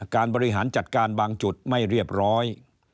การบริหารจัดการบางจุดไม่เรียบร้อย